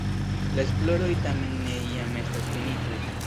La esploroj tamen ne jam estas finitaj.